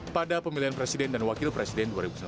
pada pemilihan presiden dan wakil presiden dua ribu sembilan belas